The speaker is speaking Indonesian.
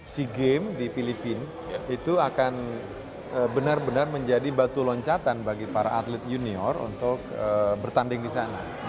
sea games di filipina itu akan benar benar menjadi batu loncatan bagi para atlet junior untuk bertanding di sana